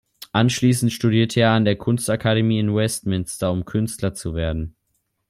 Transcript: Anschließend studierte er an der Kunstakademie in Westminster, um Künstler zu werden.